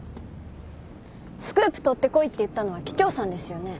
スクープ取ってこいって言ったのは桔梗さんですよね？